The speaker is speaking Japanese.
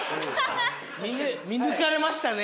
見抜かれましたね。